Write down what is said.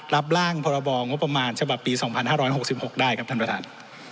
รับร่างพรบงบประมาณฉบับปี๒๕๖๖ได้ครับท่านประธาน